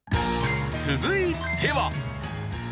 続いては。